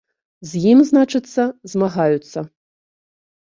З ім, значыцца, змагаюцца!